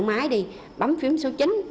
đợi máy đi bấm phím số chín